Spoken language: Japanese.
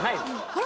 あれ？